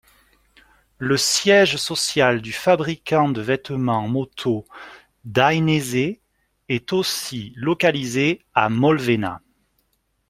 Le siège social du fabricant de vêtements moto Dainese est aussi localisé à Molvena.